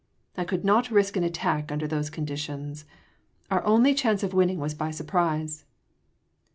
"I could not risk an attack under those conditions. Our only chance of winning was by surprise."